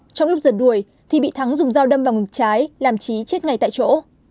trong lúc giật đuổi thì bị thắng dùng dao đâm vào ngực trái làm trí chết ngay tại chỗ